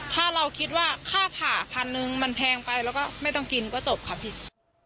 ถ้าเราคิดว่าค่าผ่าพันหนึ่งมันแพงไปแล้วก็ไม่ต้องกินก็จบค่ะพี่